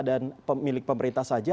dan pemilik pemerintah saja